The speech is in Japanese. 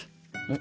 ん。